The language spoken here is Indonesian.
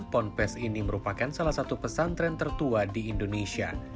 ponpes ini merupakan salah satu pesantren tertua di indonesia